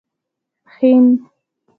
پښين